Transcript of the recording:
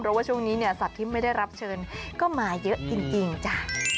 เพราะว่าช่วงนี้เนี่ยสัตว์ที่ไม่ได้รับเชิญก็มาเยอะจริงจ้ะ